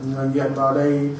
người nghiện ở đây